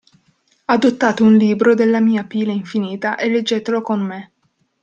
Adottate un libro della mia pila infinita e leggetelo con me.